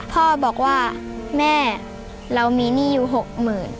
พ่อบอกว่าแม่เรามีหนี้อยู่๖๐๐๐บาท